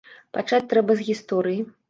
Пачаць трэба з гісторыі.